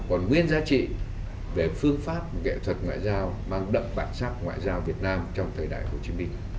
còn nguyên giá trị về phương pháp nghệ thuật ngoại giao mang đậm bản sắc ngoại giao việt nam trong thời đại hồ chí minh